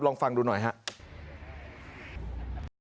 ลองฟังดูหน่อยครับ